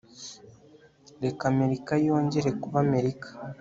reka Amerika yongere kuba Amerika